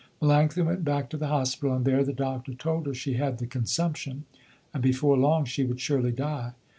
Melanctha went back to the hospital, and there the Doctor told her she had the consumption, and before long she would surely die.